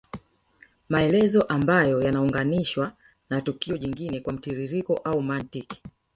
Maelezo ambayo yanaunganishwa na tukio jingine kwa mtiririko au mantiki